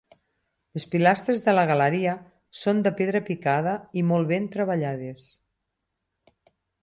Les pilastres de la galeria són de pedra picada i molt ben treballades.